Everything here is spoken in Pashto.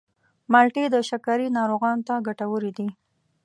مالټې د شکرې ناروغانو ته ګټورې دي.